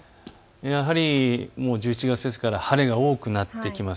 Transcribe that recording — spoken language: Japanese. やはり１１月ですから晴れが多くなってきます。